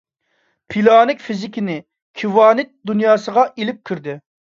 پىلانىك فىزىكىنى كىۋانت دۇنياسىغا ئېلىپ كىردى.